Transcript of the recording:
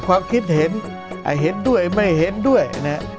ความคิดเห็นเห็นด้วยไม่เห็นด้วยนะฮะ